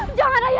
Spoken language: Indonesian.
itu bukan suaranya